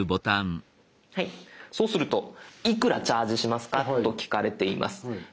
そうするといくらチャージしますかと聞かれています。